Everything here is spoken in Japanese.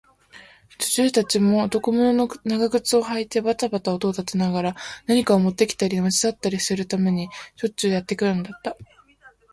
女中たちも、男物の長靴をはいてばたばた音を立てながら、何かをもってきたり、もち去ったりするためにしょっちゅうやってくるのだった。